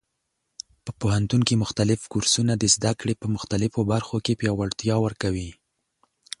په پوهنتون کې مختلف کورسونه د زده کړې په مختلفو برخو کې پیاوړتیا ورکوي.